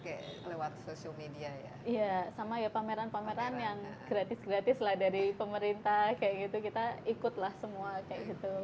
oke lewat social media ya iya sama ya pameran pameran yang gratis gratis lah dari pemerintah kayak gitu kita ikutlah semua kayak gitu